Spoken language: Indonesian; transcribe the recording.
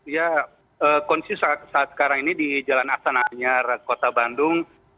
ya kondisi saat sekarang ini di jalan astana anyar kota bandung